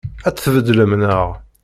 Ad t-tbeddlem, naɣ?